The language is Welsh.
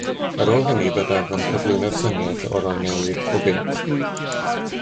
Ar ôl hynny byddaf yn cyflwyno'r syniad o roi newid o bunt